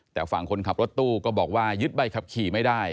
แต่ฝั่งคนขับรถตู้ก็บอกว่ายึดใบขับขี่ไม่ได้